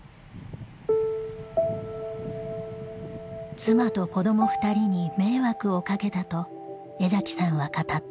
妻と子ども２人に迷惑をかけたと江崎さんは語った。